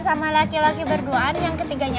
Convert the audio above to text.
sama laki laki berduaan yang ketiganya